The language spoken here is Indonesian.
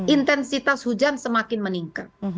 intensitas hujan semakin meningkat